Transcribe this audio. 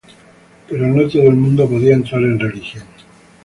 Pero no todo el mundo podía entrar en religión.